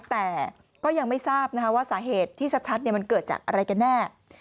แต่ก็ยังไม่ทราบว่าสาเหตุที่ชัดมันเกิดจากอะไรกันแน่